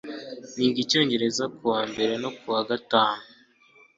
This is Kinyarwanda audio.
Niga Icyongereza kuwa mbere no kuwa gatanu.